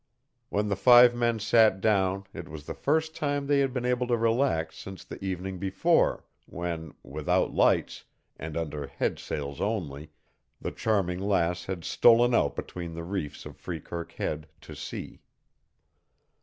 When the five men sat down it was the first time they had been able to relax since the evening before, when, without lights, and under headsails only, the Charming Lass had stolen out between the reefs of Freekirk Head to sea.